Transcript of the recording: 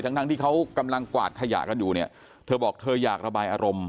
ทั้งทั้งที่เขากำลังกวาดขยะกันอยู่เนี่ยเธอบอกเธออยากระบายอารมณ์